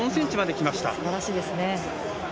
すばらしいですね。